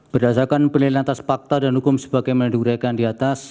berdasarkan penelitian atas fakta dan hukum sebagai menuduhkan di atas